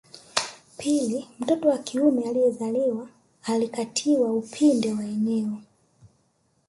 Pili mtoto wa kiume aliyezaliwa alikatiwa upinde wa eneo